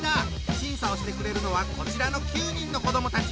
審査をしてくれるのはこちらの９人の子どもたち！